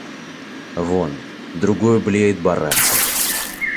Вон другой блеет барашком.